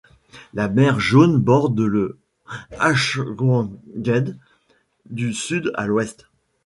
La Mer Jaune borde le Hwanghae du Sud à l'ouest.